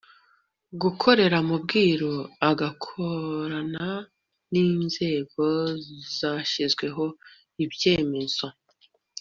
gukorera mu bwiru, agakorana n'inzego zashyizweho. ibyemezo